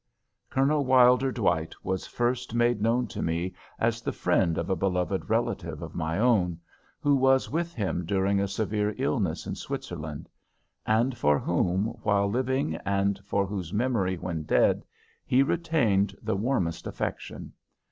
Colonel Wilder Dwight was first made known to me as the friend of a beloved relative of my own, who was with him during a severe illness in Switzerland; and for whom while living, and for whose memory when dead, he retained the warmest affection.